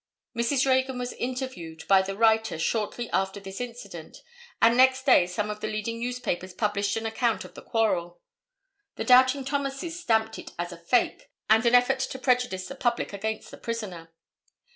Mrs. Reagan was interviewed by the writer shortly after this incident and next day some of the leading newspapers published an account of the quarrel. The doubting Thomases stamped it as a "fake" and an effort to prejudice the public against the prisoner.